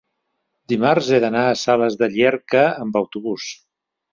dimarts he d'anar a Sales de Llierca amb autobús.